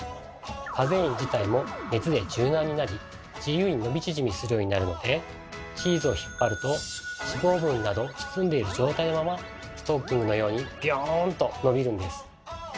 カゼイン自体も熱で柔軟になり自由に伸び縮みするようになるのでチーズをひっぱると脂肪分など包んでいる状態のままストッキングのようにビヨンと伸びるんです。